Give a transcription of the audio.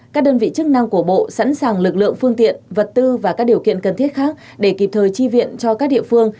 các đơn vị chức năng của bộ sẵn sàng lực lượng phương tiện vật tư và các điều kiện cần thiết khác để kịp thời tri viện cho các địa phương